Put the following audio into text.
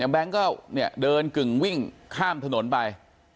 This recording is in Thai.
แก๊งก็เดินกึ่งวิ่งข้ามถนนไป